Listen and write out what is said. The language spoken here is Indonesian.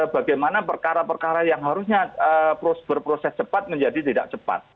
bagaimana perkara perkara yang harusnya berproses cepat menjadi tidak cepat